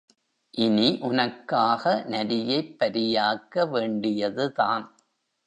இனி, உனக்காக நரியைப் பரியாக்க வேண்டியதுதான்.